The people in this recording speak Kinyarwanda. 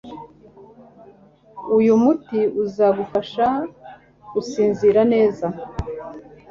Uyu muti uzagufasha gusinzira neza.